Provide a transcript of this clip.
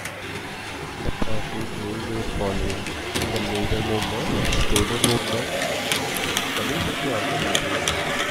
The party gained a following in the labor movement, student movement, and community organizations.